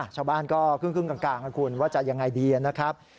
ชาวบ้านก็ครึ่งกลางนะคุณว่าจะยังไงดีนะครับ